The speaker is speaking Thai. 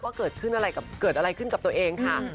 ว่าเกิดอะไรขึ้นกับตัวเองค่ะ